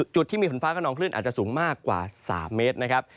จุดที่มีฝนฟ้าขนองคลื่นอาจจะสูงมากกว่า๓เมตรนะครับ